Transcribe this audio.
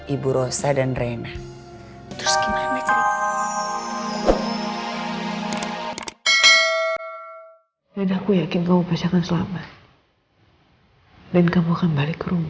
ibu rosa dan rena terus gimana jadi aku yakin kau pasangan selamat hai dan kamu akan balik rumah